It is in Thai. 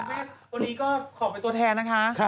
ตัวนี้ก็ขอไปตัวแทนนะคะ